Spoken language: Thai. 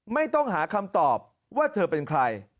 ไม่ต้องหาคำตอบว่าเธอเป็นใคร